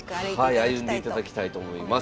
歩んでいただきたいと思います。